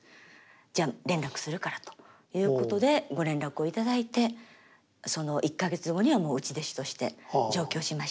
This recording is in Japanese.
じゃあ連絡するからということでご連絡を頂いてその１か月後にはもう内弟子として上京しました。